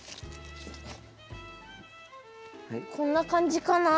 こんな感じかな？